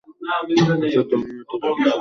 আচ্ছা, তুমিও এটা শুনছো?